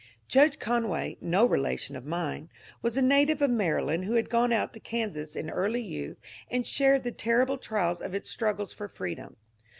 Judge Conway — no relation of mine — was a native of Maryland who had gone out to Kansas in early youth and shared the terrible trials of its struggles for freedom.